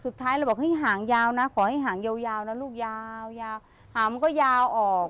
สุดท้ายเลยบอกเฮ้หางยาวนะขอให้หางยาวนะลูกยาวหางมันก็ยาวออก